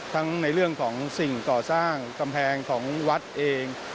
ทั้งในเรื่องของสิ่งก่อสร้างกำแพงของวัดเอง